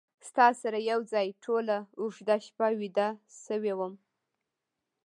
ستا سره یو ځای ټوله اوږده شپه ویده شوی وم